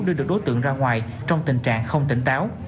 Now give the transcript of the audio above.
đưa được đối tượng ra ngoài trong tình trạng không tỉnh táo